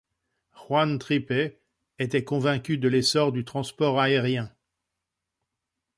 Juan Trippe était convaincu de l'essor du transport aérien.